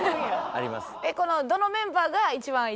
あります。